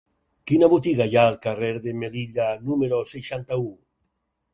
Quina botiga hi ha al carrer de Melilla número seixanta-u?